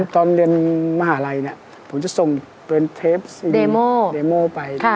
ตอนเรียนมหาลัยผมจะส่งเป็นเทปเดโมเดโม่ไป